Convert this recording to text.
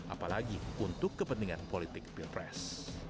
apalagi untuk kepentingan politik pilpres